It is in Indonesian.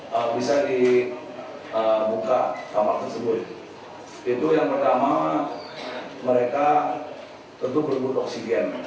lalu lewat sepuluh bisa dibuka kamar tersebut itu yang pertama mereka tentu berubur oksigen